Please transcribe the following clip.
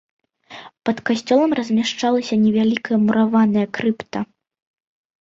Пад касцёлам размяшчалася невялікая мураваная крыпта.